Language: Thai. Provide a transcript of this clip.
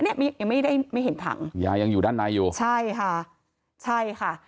นี่ยังไม่ได้ไม่เห็นถังยายังอยู่ด้านในใช่ค่ะ